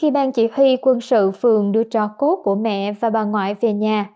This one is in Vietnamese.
đang chỉ huy quân sự phường đưa trò cốt của mẹ và bà ngoại về nhà